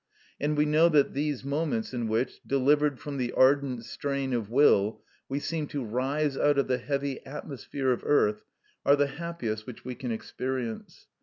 And we know that these moments in which, delivered from the ardent strain of will, we seem to rise out of the heavy atmosphere of earth, are the happiest which we experience.